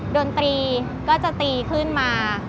ดนตรีก็จะตีขึ้นมา